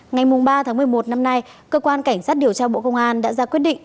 ngày ba tháng một mươi một năm nay cơ quan cảnh sát điều tra bộ công an đã ra quyết định